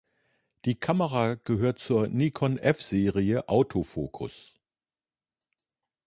Die Kamera gehört zur Nikon-F-Serie Autofokus.